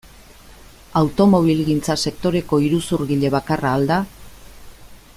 Automobilgintza sektoreko iruzurgile bakarra al da?